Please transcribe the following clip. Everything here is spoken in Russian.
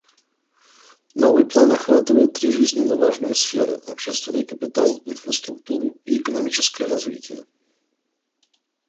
Новый план охватывает три жизненно важные сферы: общественный капитал, инфраструктуру и экономическое развитие.